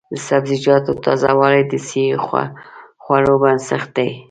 د سبزیجاتو تازه والي د صحي خوړو بنسټ دی.